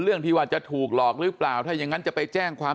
ที่ว่าจะถูกหลอกหรือเปล่าถ้าอย่างนั้นจะไปแจ้งความ